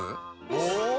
お！